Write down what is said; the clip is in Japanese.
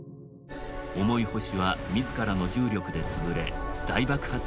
重い星は自らの重力で潰れ大爆発を起こします。